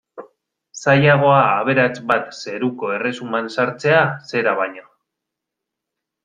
Zailagoa aberats bat zeruko erresuman sartzea zera baino.